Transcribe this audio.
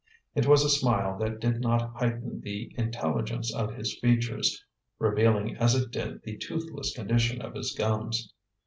It was a smile that did not heighten the intelligence of his features, revealing as it did the toothless condition of his gums.